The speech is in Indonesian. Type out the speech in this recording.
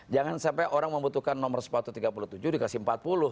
jangan sampai orang membutuhkan nomor satu ratus tiga puluh tujuh dikasih empat puluh gitu